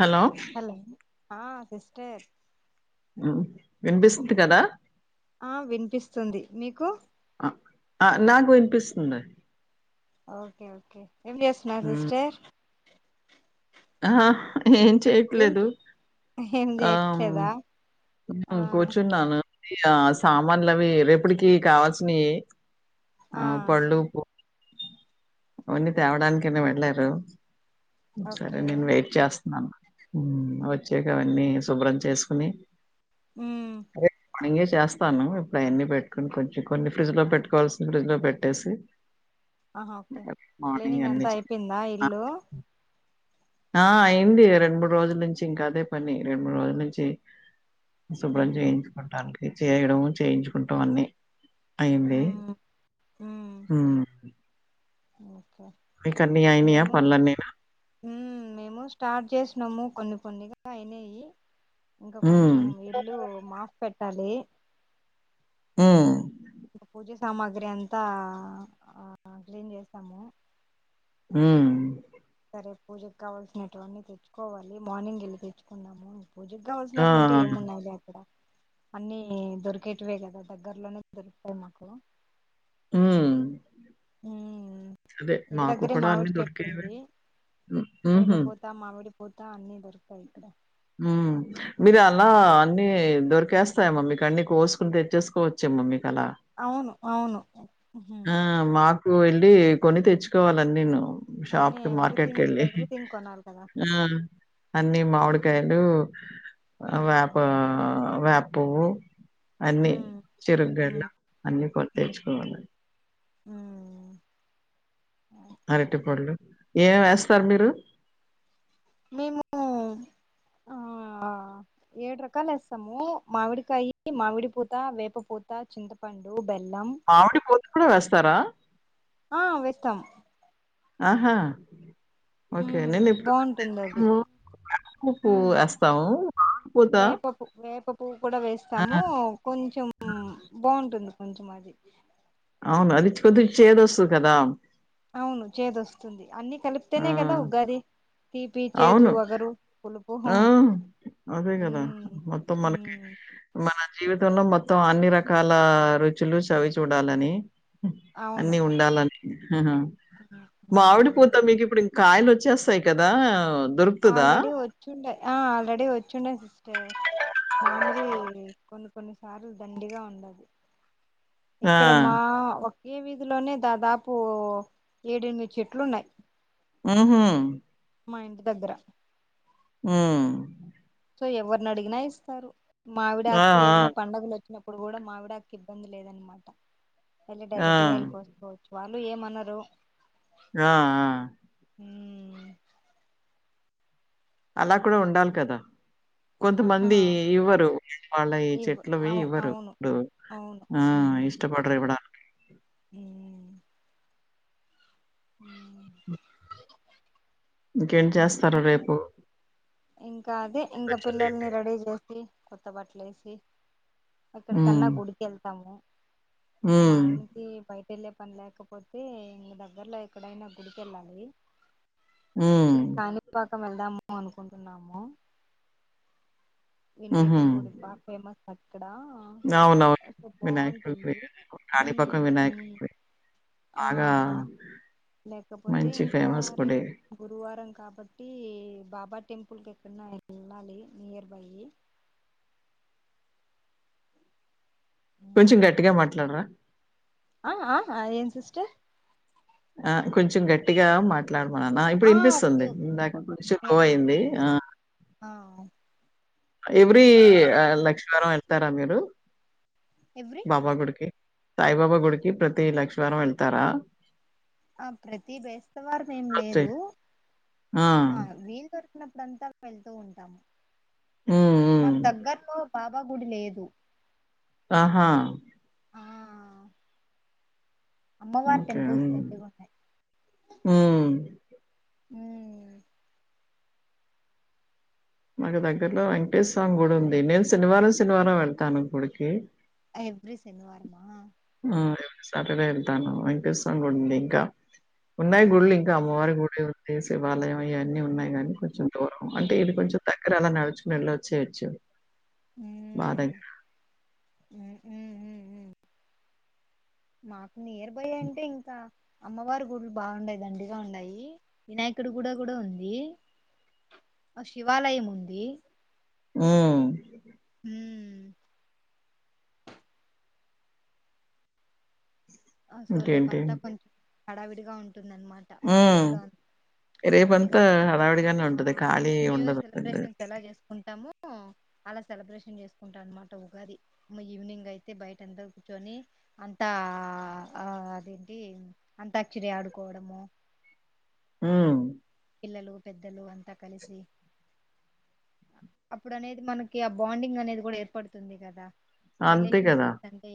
Hello hello ఆ sister వినిపిస్తుంది కదా ఆ వినిపిస్తుంది మీకు ఆ నాకు వినిపిస్తుంది ఓకే ఓకే ఎం చేస్తున్నావు సిస్టర్ ఆ ఏం ఏం చేయట్లేదు ఏం ఆ చేయట్లేదా ఆ కూర్చున్నాను ఇ సామాన్లు అవి రేపటికి కావాల్సినవి ఆ పళ్ళు ఓన్ తేవడానిక వెళ్ళారు సరే ఓకే నేను వెయిట్ చేస్తున్నాను వచ్చాక అవన్నీ శుభ్రం చేసుకుని హ్మ్ రేపు మార్నింగే చేస్తాను ఇప్పుడు అవన్న పెట్టుకుని కొంచెం కొన్ని ఫ్రిడ్జ్ లో పెట్టుకోవాల్సిన ఫ్రిడ్జ్ లో పెట్టేసి ఆ ఓకే మార్నింగ్ క్లీనింగ్ అన్ని అంతా అయిపోయిందా ఇల్లు చే ఆ అయింది రెం మూడు రోజుల నుంచి ఇంకా అదే పని రెండు మూడు రోజుల నుంచి శుభ్రం ఉమ్ చేయించుకోవటడానికి చేయడంము చేయించుకుంటం అన్నీ అయింది, ఉమ్ ఉమ్ హ్మ్ మీకన్నీ అయినియా మేము పనులన్నీను? మేము స్టార్ట్ చేసినాము కొన్ని కొన్నిగా అయినాయి ఇంకా హ్మ్. కొంచెం ఇల్లు మాఫ పెట్టాలి ఉ పూజ సామాగ్రి అంతా ఆ క్లీన్ చేస్తాము ఉ రే పూజకు కావాల్సినటువన్నీ తెచ్చుకోవాలి మార్నింగ్ వెళ్ళి తెచ్చుకున్నాము ఆ! పూజగావలసినటువంటి ఏము ఉన్నాలే అక్కడ అన్ని దొరికేటివే కదా దగ్గర్లోనే దొరుకుతాయి మాకు ఉ ఉ ఇంటి మాకు దగ్గరే కూడా అన్నీ మామిడి చెట్టు దొరికేవే. ఉంది హ్మ్. హుహు. లేకపోతే మామిడి పోతే అన్ని దొరుకుతాయి ఇక్కడ ఉ మీరు అలా అన్ని దొరికేస్తాయమ్ మీ కన్నీ కోసుకుని తెచ్చేసుకోవచ్చేమ్మ మీ అవును అవును ఉహు ఆ మాకు వెళ్ళి కొన్ని తెచ్చుకోవాలని నేను షాప్ అన్ని కి మార్కెట్ ఎవ్రీథింగ్ వెళ్లి ఎవ్రీథింగ్ కొనాలి కదా ఆ అన్ని మామిడికాయలు ఆ అవి వేప పూలు అన్ని ఉమ్ చెరకు ఉమ్ గడలు అన్ని కొనీతెచ్చుకోవాలి ఊహు అరటి పళ్ళు ఏమ వేస్తారు మీరు మేము ఆ ఏడు రకాలు వేస్తాము మామిడికాయ మామిడి పూత వేపపూత చింతపండు బెల్లం మామిడి పూత కూడా వేస్తారా ఆ వేస్తాం ఆహా ఓకే మ్మ్ నేను ఇప్పుడు బాగుంటుంది అది తినలేదు వేప పువ్వు మ్మ్ వేస్తాము వేప పు వేప పువ్వు కూడా ఆ! వేస్తాము కొంచెం బాగుంటుంది కొంచెం అది అవును అది కొద్ది గా చేదు వస్తుంది కదా అవును చేదొస్తుంది అన్ని ఆ! కలిపితేనే కదా ఉగాది తీపి చేదు అవును. పొగరు పులుపు ఆ! అదే కదా మ్మ్ మొత్తం మనకి మ్మ్ మన జీవితంలో మొత్తం అన్ని రకాల రుచులు చవి చూడాలని అవును అన్ని ఉండాలని మామిడి మ్మ్ పూత మీకు ఇప్పుడు కాయలు వచ్చేస్తాయి కదా దొరుకుతదా? ఆల్రెడీ వచ్చుండే ఆ ఆల్రెడీ వచ్చుండే సిస్టర్ మామిడికాయలు కొన్ని కొన్ని సార్లు దండిగా ఉండదు ఆ! ఇక్కడ మా ఈ వీధిలోనే దాదాపు ఏడెనిమిది చెట్లు ఉన్నాయి ఉ హా మా ఇంటి దగ్గర ఉ సో ఎవరిని అడిగినా ఇస్తారు ఆ! ఆ! మావిడాకు ఏదైనా పడుగలు వచ్చినప్పుడు ఇప్పుడు కూడా మామిడి ఆకులకు ఇబ్బంది లేదనమాట వెళ్ళి ఆ! డైరెక్ట్ గా వెళ్ళ కోసుకోవచ్చు వాళ్ళు ఏమన్నారు ఆ ఆ అలా కూడా ఉండాలి కదా ఆహా కొంతమంది ఇవ్వరు వాళ్ళ ఈ ఇవ్ చెట్లువి అవు ఇవ్వరు అవును ఇప్పుడు అవును ఆ ఇష్టపడరు ఇవ్వడానికి ఉ ఉ ఓకే ఇంకేం ఇంకా చేస్తారు రేపు ఇంకా అదే ఇంకా స్పెషల్ పిల్లల్ని ఏంటి? రెడీ చేసి కొత్త బట్టలు వేసి అక్కడికన్నా హ్మ్. గుడికి వెళ్తాము మా హ్మ్. ఆయనకి బయట పెళ్లి పని లేకపోతే ఇ దగ్గర్లో ఎక్కడైనా గుడిక వెళ్ళాలి హ్మ్. యాక్చువల్లీ కానీపాకం వెళ్దాము అనుకుంటున్నాము వినాయకుడు గుడి హుహు. బాగా ఫేమస్ ఇక్కడ అవునవును. అక్క వినాయకుడి బాగుంటుంది గుడి. హ్మ్ హ్మ్ ఆగా లేకపోతే ఇంకా రేపు గురువారం కాబట్టి బాబా టెంపుిల్ కె ఎలాలి నయర్ బై కొంచెం గట్టిగా మాట్లాడరా ఆ ఆ ఏన్ సిస్టర్ ఆ కొంచెం గట్టిగా మాట్లా అట్లాడమన్నా ఇప్పుడు ఆ ఓకే వినిపిస్తుంది ఇందాక కొంచం ఓకే లో ఆ అయింది ఆ వినిపిస్తుంది ఆ ఎవ్రీ ఇంకా లక్ష్మ వరం వెళ్తారా మీరు ఎవ్రీ బాబా గుడికి సాయిబాబా గుడికి ప్రతి లక్ష వారం వెళ్తారా ఆ ప్రతి బేస్తవారం ఏం ఓకే. లేదు ఆ వీలు దొరికినప్పు ఇడంతా వెళ్తూ ఉంటాము హ్మ్. హ్మ్. మాకు దగ్గరలో బాబా గుడి లేదు ఆహా అమ్మవార్ ఓకే. టెంపుల్స్ అ హ్మ్. కూడా హ్మ్. ఉమ్మ్ మాకు దగ్గరలో వెంకటేశ స్వామి గుడి ఉంది నేను శనివారం శనివారం వెళ్తాను గుడికి ఎవరీ శనివారం ఆ ఎ సర వెళ్తాను అపిసం కూడాంది ఇంకా ఉన్నాయి గుళ్ళు ఓకే ఇంకా అమ్మవారి గుళలు ఉాయి వాలయం ఇవన్నీ ఆ ఉన్నాయి గానీ కొంచెం దూరం మ్మ్ అంటే ఇది కొంచెం తగ్గర అలా నడుచుకుని వెళ్ళు వచ్చయచ్చు బాద మ్మ్ దగ్గర మ్మ్ మ్మ్ మ్మ్ మాకు నేయర్ బయ అంటే ఇంకా అమ్మవారి గుళ్లు బాగున్నాయి దండిగా ఉంయి వినాయక ఇక్కడుగూడ కూడా ఉంది ఆ శివాలయం ఉంది ఉమా మ్మ్ అ సో రేపు ఇంకేంటి? అంతా కొంచెం హడావిడిగా ఉంటుందనమాట మా వీధిలో అంత మంచిగా రేపుంతా అడావిడిగానే ఆ ఉంటది ఖాళీ ఉండదు హు అలా సెలబ్రేషన్ చేసుకుంటా అనమాట ఉగాది ఈవినింగ్ అయితే బయట ఎంత కూర్చొని అంత ఆ ఆ అదేంటి అంతాక్షరి ఆడుకోవడము హ్మ్ పల్లు పెద్దలు అంతా కలిసి అప్పుడు అనేది మనకి ఆ బాండింగ్ అనేది కూడా ఏర్పడుతుంది కదా అంతే కదా! రిలేషన్షిప్ తంతే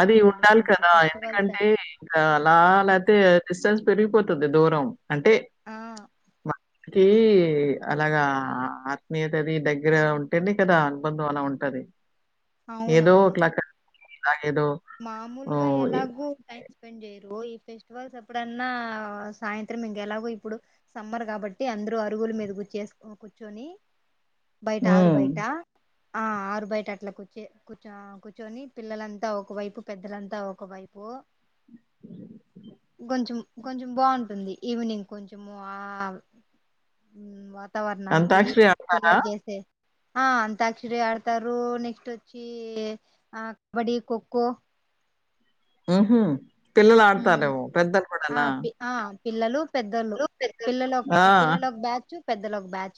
అది ఉండాలి కదా ఎందుకంటే ఇంకా అలా లేతే డిస్టెన్స్ పెరిగిపోతుంది దూరం అంటే ఆ అలాగా ఆత్మీయత అది దగ్గర ఉంటేనే కదా అనుబంధం అలా ఉంటది ఏదో అవునవును ఒకలా ఇలాగేదో మామూలుగా ఓహ్! ఎ ఎలాగో టై ెండ్ చేయరు ఈ ఫెస్టివల్స్ ఎప్పుడన్నా సాయంత్రం ఇంకెలాగ ఇప్పుడు సమ్మర్ కాబట్టి అందరుూ అరుగుల మీద కూచేసు కూర్చొని బయట ఆరు హ్మ్. బయట ఆ ఆరు బయట అట్లా కూర్చోర్చ కూర్చొని పిల్లలంతా ఒకవైపు పెద్దలంతా ఒకవైపు కొంచెం కొంచెం బాగుంటుంది ఈవినింగ్ కొంచెము ఆ వాతావరణానికి అంతాక్షరి ఆడతారా? పిల్లలు చేసే ఆ అంతాక్షరి ఆడతారు నెక్స్ట్ వచ్చి ఆ కబడ్డి ఖో ఖో ఉహూ ఉం ఆ పి ఆ పిల్లలు పెద్దళ్లు పిల్లలు ఆ! పిల్లలు పిల్లలు ఒక బ్యాచ్ పెద్దలు ఒక బ్యాచ్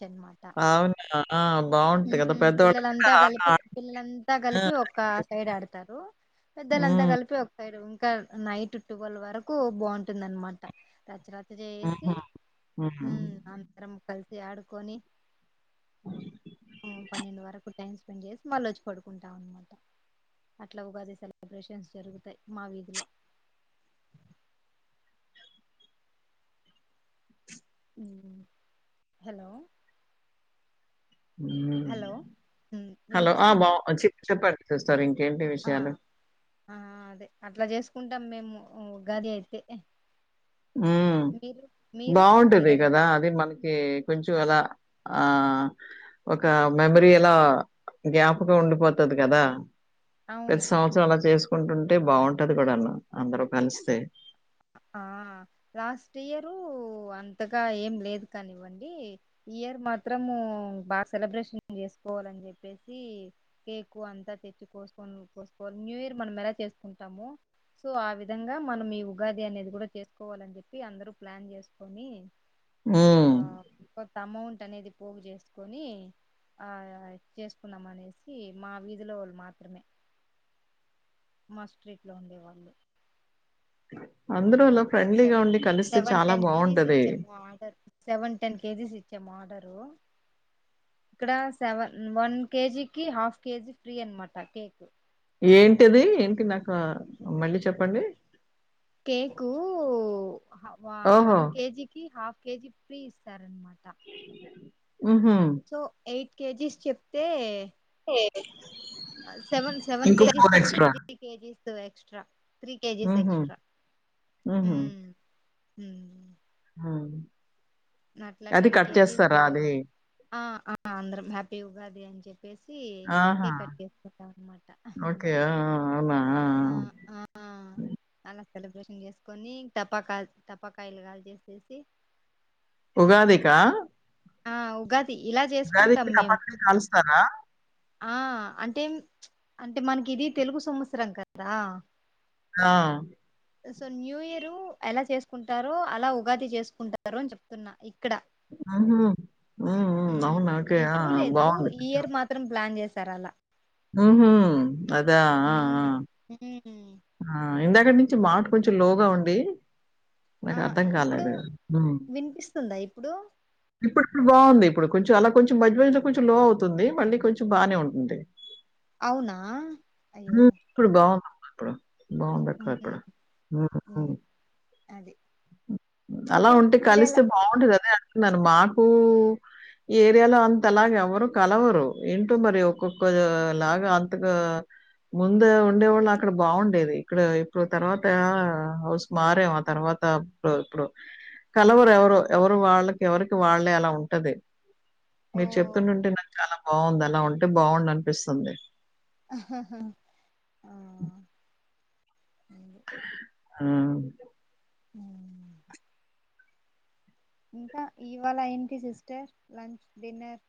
అవునా ఆ! బావుంటది కదా! ఉహూ పెద్దవాళ్ళు కూడా పిల్లలంతా ఆట కలిపి ఆడ పిల్లలంతా ఆ! కలిపి ఒక సైడ్ ఆడతారు పెద్దలంతా హ్మ్. కలిపి ఒక్క సైడ్ ఇక నైట్ టువల్ వరకు బాగుంటుందనమాట చేసి హుహు. హ్మ్. అందరం కలిసి ఆడుకొని అ పన్నెండు వరకు టైం స్పెండ్ చేసి మళ్ళ వచ్చి పడుకుంటాం అనమాట అట్లా ఉగాది సెలబ్రేషన్స్ జరుగుతాయి మా వీధిలో హలో ఉ హలో ఉమ్, హలో ఆ బా వినిపిస్తుందా చి చెప్పండి సిస్టర్ ఇంకేంటి ఆ విషయాలు ఆ అదే అట్లా చేసుకుంటాం మేము ఉగాది అయితే ఉ మీరు మీరు మీరు బాగుంటది ఎలా కదా చే అది మనకి కొంచెం అలా ఆ ఒక మెమరీ ఎలా జ్ఞాపకం ఉండిపోతది కదా అవును ప్రతి సంవత్సరం అలా చేసుకుంటుంటే బాగుంటది కూడాన్న అందరు కలిస్తే ఆ లాస్ట్ ఇయరు అంతగా ఏం లేదు కానివ్వండి ఇయర్ మాత్రం బాగా సెలబ్రేషన్ చేసుకోవాలని చెప్పేసి కేక్ అంతా తెచ్చి కోని కోసుకోవాలి న్యూ ఇయర్ మనం ఎలా చేసుకుంటాము సో ఆ విధంగా మనం ఈ ఉగాది అనేది కూడా చేసుకోవాలని చెప్పి అందరూ ప్లాన్ చేసుకొని ఆ ఉమ్ కొంత అమౌంట్ అనేది పోగు చేసుకొని ఆ చేసుకున్నాం అనేసి మా వీధిలో వాళ్ళు మాత్రమే మా స్ట్రీట్లో ఉండేవాళ్ళు అందరూ అలా ఒక ఫ్రెండ్లీగా సెవెన్ ఉండి కలిస్తే సెవెన్ చాలా టెన్ కేజీస్ బావుంటది. ఇచ్చామ్ ఆర్డర్ సెవెన్ టెన్ కేజీస్ ఇ ఆర్డరు ఇక్కడ సెవన్ వన్ కేజీకి హాఫ్ కేజీ ఫ్రీ అనమాట కేక్ ఏంటిది ఏంటి నాకు మళ్ళీ చెప్పండి. కేకు ఓహో! వన్ కేజికి హాఫ్ కేెజి ఫ్రీ ఇస్తారన్నమాట హుహు. సో ఎయిట్ కేజీస్ చెప్తే సెవెన్ సెవెన్ ఇంకో కేజీస్ చెప్తే extra. Three kgs extra three kgs హుహు. ఎక్స్ట్రా హుహు. ఆ అట్ల టెన్ కేజీస్ ఆ ఆ అందరం హ్యాపీ ఉగాది అని చెప్పేసి ఆహా! కేక్ కట్ చేసుకుంటం అనమాట ఓకే ఆ అవున ఆ ఆ అలా సెలబ్రేషన్ చేసుకొని టపాకాయ టపాకాయలు కాల్చేసి చేసేసి ఉగాది కా ఆ ఉగా ఇలా చేసుకుంటాం మేము టపాకాయలు కాలుస్తారా? ఆ అంటేం అంటే మనకి ఇది తెలుగు సంవత్సరం కదా ఆ సో న్యూ ఇయరు ఎలా చేసుకుంటారో అలా ఉగాది చేసుకుంటారు అని చెప్తున్నా ఇక్కడ హ్మ్ అవును ఓకే ఎప్పుడూ లేదు బాగుంది ఈ ఇయర్ మాత్రం ప్లాన్ చేశారు అలా. ఆహా అదా ఆ హ్మ్ హ్మ్ ఆ ఇందాకటి నుంచి మాట కొంచెం లోగా ఉండి ఆ ఇప్పుడు వినిపిస్తుందా ఇప్పుడు ఇప్పుడు ఇప్పుడు బాగుంది ఇప్పుడు కొంచెం అలా కొంచెం మధ్య మధ్యలో కొంచెం లో అవుతుంది మళ్ళీ కొంచెం బాగానే ఉంటుంది అవునా అయ్యో ఉమ్ ఇప్పుడు బాగుందమ్మ ఇప్పుడు మా బాగుందక్క ఇప్పుడు హ్మ్, ఉమ్ హ్మ్. ఉమ్ అది అలా ఇంకా ఉంటే కలిస్తే మీరెలా బాగుంటుది అదే అంటున్నాను మాకు ఈ ఏరియాలో అంతలాగ ఎవ్వరు కలవరు ఏంటో మరి ఒక్కొక్క లాగా అంతగా ముందు ఉండేవాళ్ళు అక్కడ బాగుండేది ఇక్కడ ఇప్పుడు తర్వాత హౌస్ మారాం ఆ తర్వాత ఇప్పుడు కలవరు ఎవరు ఎవరు వాళ్ళకి ఎవరికి వాళ్లేే అలా ఉంటది ఓ మీరు చెప్తుంటుంటే నాకు చాలా బాగుంది అలా ఉంటే బాగుండు అనిపిస్తుంది అహహా ఉమ్ ఉ ఇంకా ఇవాళ ఏంటి సిస్టర్ లంచ్ డిన్నర్